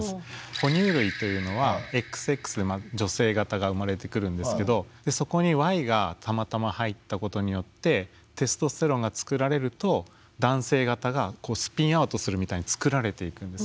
ほ乳類というのはＸＸで女性型が生まれてくるんですけどそこにＹがたまたま入ったことによってテストステロンが作られると男性型がスピンアウトするみたいに作られていくんです。